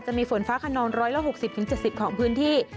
จะมีฝนฟ้าคนนร้อยละ๖๐๗๐ของพื้นที่